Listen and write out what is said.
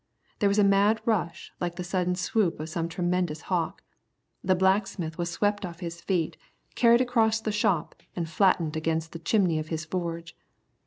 There was a mad rush like the sudden swoop of some tremendous hawk. The blacksmith was swept off his feet, carried across the shop, and flattened against the chimney of his forge.